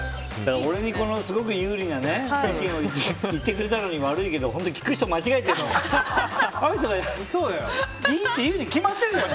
俺にすごく有利な意見を言ってくれたのに悪いけど聞く人間違えてんだよ。